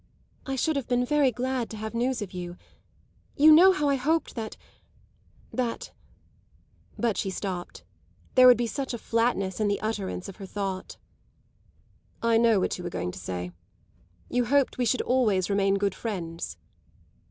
"I should have been very glad to have news of you. You know how I hoped that that " But she stopped; there would be such a flatness in the utterance of her thought. "I know what you're going to say. You hoped we should always remain good friends."